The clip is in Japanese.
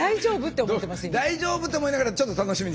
「大丈夫？」って思いながらちょっと楽しみにしている。